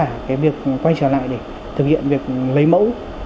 rất vả cái việc quay trở lại để thực hiện việc lấy mẫu